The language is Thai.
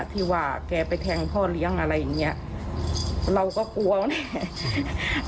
ที่ว่าแกไปแทงพ่อเลี้ยงอะไรอย่างเงี้ยเราก็กลัวแน่